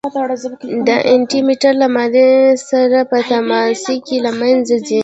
د انټي مټر له مادې سره په تماس کې له منځه ځي.